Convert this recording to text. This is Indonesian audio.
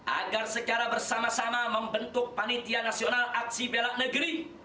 agar secara bersama sama membentuk panitia nasional aksi bela negeri